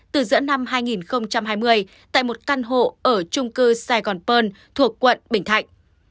từ giữa năm hai nghìn hai mươi tại một căn hộ ở trung cư saigon pearl thuộc quận bình thạnh